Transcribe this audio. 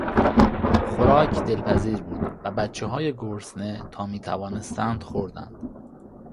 خوراک دلپذیر بود و بچههای گرسنه تا میتوانستند خوردند.